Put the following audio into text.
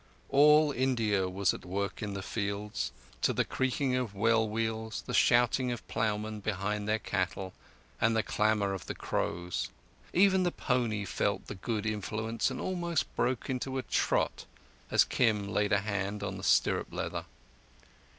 All India was at work in the fields, to the creaking of well wheels, the shouting of ploughmen behind their cattle, and the clamour of the crows. Even the pony felt the good influence and almost broke into a trot as Kim laid a hand on the stirrup leather.